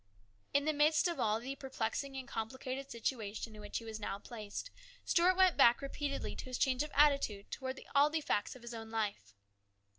In the midst of all the perplexing and complicated situation in which he was now placed, Stuart went back repeatedly to his change of attitude towards all the facts of his own life.